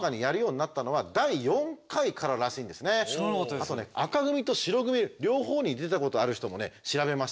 あとね紅組と白組両方に出たことある人もね調べました！